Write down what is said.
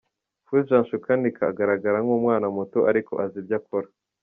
Fulgence ukanika agaragara nk’umwana muto ariko azi ibyo akora.